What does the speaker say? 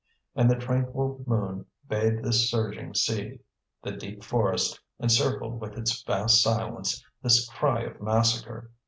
And the tranquil moon bathed this surging sea, the deep forest encircled with its vast silence this cry of massacre.